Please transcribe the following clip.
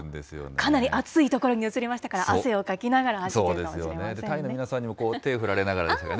かなりあつい所に移りましたから、汗をかきながら走ってるかもしれませんね。